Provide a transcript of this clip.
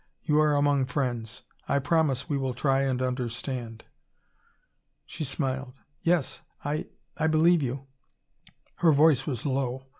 You are among friends. I promise we will try and understand." She smiled. "Yes. I I believe you." Her voice was low.